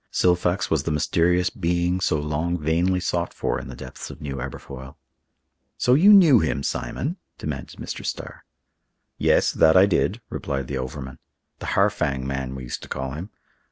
Silfax was the mysterious being so long vainly sought for in the depths of New Aberfoyle. "So you knew him, Simon?" demanded Mr. Starr. "Yes, that I did," replied the overman. "The Harfang man, we used to call him.